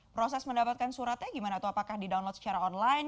proses mendapatkan suratnya gimana tuh apakah didownload secara online